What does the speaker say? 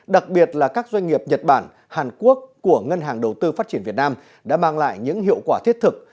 đặc biệt là các doanh nghiệp nhật bản hàn quốc của ngân hàng đầu tư phát triển việt nam đã mang lại những hiệu quả thiết thực